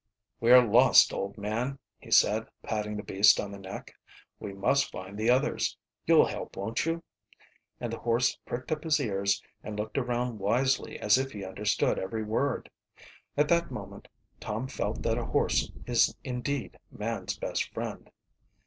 "We're lost, old man," he said, patting the beast on the neck. "We must find the others. You'll help, won't you?" And the horse pricked up his ears and looked around wisely as if he understood every word. At that moment Tom felt that a horse is indeed man's best friend.